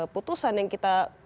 putusan yang kita